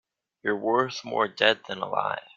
You're worth more dead than alive.